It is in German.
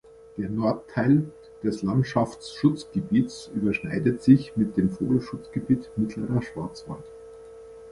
Der Nordteil des Landschaftsschutzgebiets überschneidet sich mit dem Vogelschutzgebiet Mittlerer Schwarzwald.